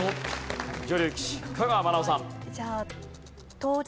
女流棋士香川愛生さん。